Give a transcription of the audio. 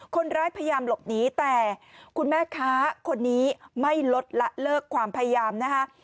คนร้ายพยายามหลบหนีแต่คุณแม่ค้าคนนี้ไม่ลดละเลิกความพยายามนะคะ